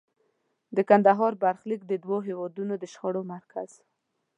د کندهار برخلیک د دوو هېوادونو د شخړو مرکز و.